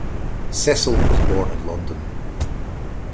Cecil was born in London.